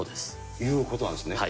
いうことなんですね。